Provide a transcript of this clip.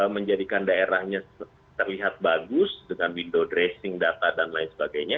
menjadikan daerahnya terlihat bagus dengan window dressing data dan lain sebagainya